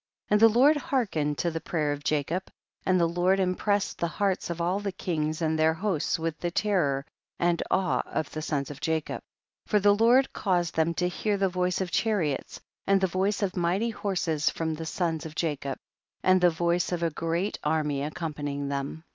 ] 8. And the Lord hearkened to the prayer of Jacob, and the Lord im pressed the hearts of all the kings and their hosts with the terror and awe of the sons of Jacob, 19. For the Lord caused them to hear the voice of chariots, and the * Angels or messengers. voice of mighty horses from the sons of Jacob, and the voice of a great army accompanying them.